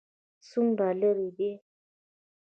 څومره لیرې دی؟